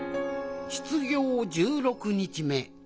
失業１６日目。